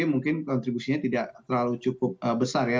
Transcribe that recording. mungkin kontribusinya tidak terlalu cukup besar ya